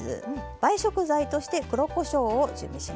映え食材として黒こしょうを準備します。